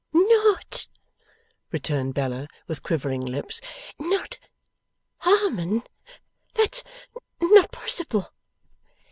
'Not,' returned Bella, with quivering lips; 'not Harmon? That's not possible?